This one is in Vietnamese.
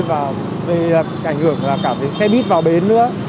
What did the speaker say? và ảnh hưởng cả về xe bít vào bến nữa